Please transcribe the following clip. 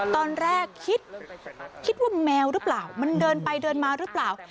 ตอนแรกคิดคิดว่าแมวหรือเปล่ามันเดินไปเดินมาหรือเปล่า